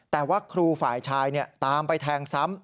แต่ว่าครูฝ่ายชายตามไปแทงซ้ำ